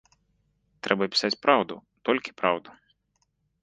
Трэба пісаць праўду, толькі праўду.